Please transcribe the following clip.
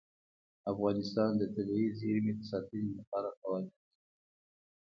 افغانستان د طبیعي زیرمې د ساتنې لپاره قوانین لري.